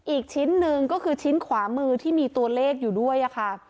อีกชิ้นหนึ่งก็คือชิ้นขวามือที่มีตัวเลขอยู่ด้วยค่ะ